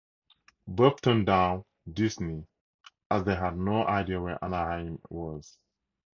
Both turned down Disney as they had no idea where Anaheim was.